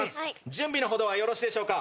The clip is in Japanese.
準備のほどはよろしいでしょうか。